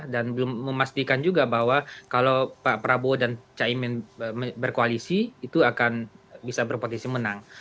dan belum memastikan juga bahwa kalau pak prabowo dan cahy men berkoalisi itu akan bisa berpotensi menang